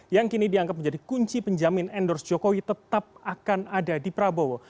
yang kini dianggap menjadi kunci penjamin endorse jokowi tetap akan ada di prabowo